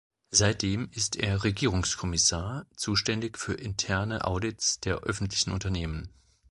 Seitdem ist er Regierungskommissar, zuständig für interne Audits der öffentlichen Unternehmen.